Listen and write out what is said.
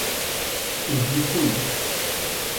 Ibicuí